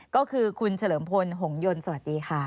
ก็คือคุณเฉลิมพลหงยนต์สวัสดีค่ะ